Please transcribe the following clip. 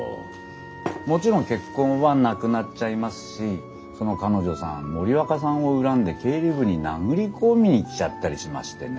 もちろん結婚はなくなっちゃいますしその彼女さん森若さんを恨んで経理部に殴り込みに来ちゃったりしましてね。